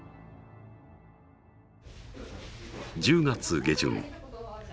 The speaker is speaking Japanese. １０月下旬。